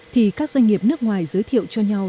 thì các doanh nghiệp nước ngoài giới thiệu cho nhau